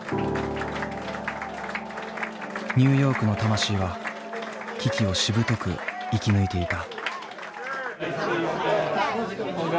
ニューヨークの魂は危機をしぶとく生き抜いていた。